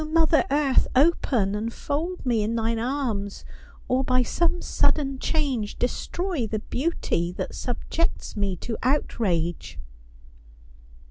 Ch, mother earth, open and fold me in thine arms, or by some sudden change destroy the beauty that subjects me to outrage."